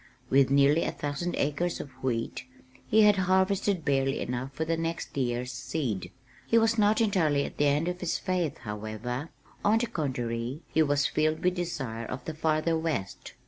With nearly a thousand acres of wheat, he had harvested barely enough for the next year's seed. He was not entirely at the end of his faith, however; on the contrary, he was filled with desire of the farther west.